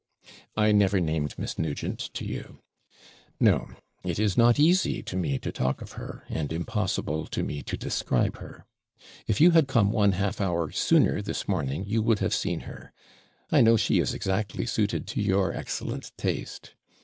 'I never named Miss Nugent to you. No! it is not easy to me to talk of her, and impossible to me to describe her. If you had come one half hour sooner this morning, you would have seen her: I know she is exactly suited to your excellent taste.